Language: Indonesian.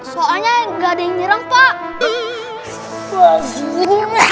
soalnya gak ada yang nyerem pak